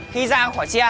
khi ra khỏi xe